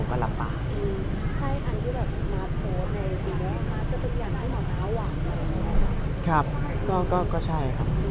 เขาจะบอกอย่างไร